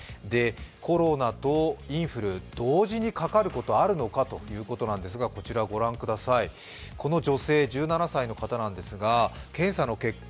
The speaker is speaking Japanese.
コロナとインフル同時にかかることはあるのかということですがこの女性、１７歳の方なんですが検査の結果